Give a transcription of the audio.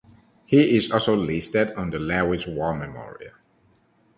He is also listed on the Lewes War Memorial.